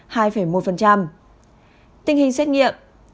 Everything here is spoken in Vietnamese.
tình hình xét nghiệm